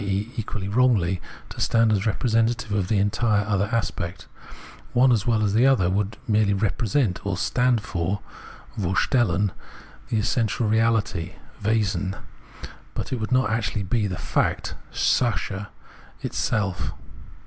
e. equally wrongly, to stand as representative of the entire other aspect ; one as well as the other would merely "represent" or stand for [German vorstellen] the essential reahty (Wesen), but would not actually be the fact (SacJie) itself.